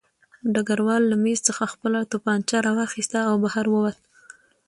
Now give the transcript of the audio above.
ډګروال له مېز څخه خپله توپانچه راواخیسته او بهر ووت